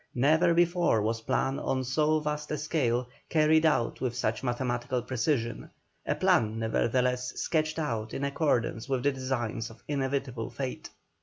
Never before was plan on so vast a scale carried out with such mathematical precision a plan, nevertheless, sketched out in accordance with the designs of inevitable fate.